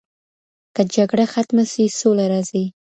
که جګړه ختمه سي سوله راځي.